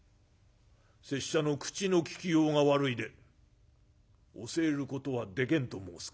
拙者の口の利きようが悪いで教えることはでけんと申すか？」。